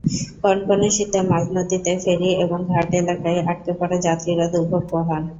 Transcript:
কনকনে শীতে মাঝনদীতে ফেরি এবং ঘাট এলাকায় আটকা পড়া যাত্রীরা দুর্ভোগ পোহান।